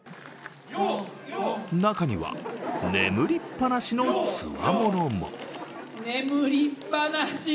中には眠りっぱなしのつわものも。